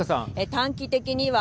短期的には。